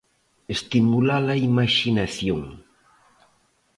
Estimular a imaxinación.